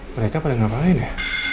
mereka pada ngapain ya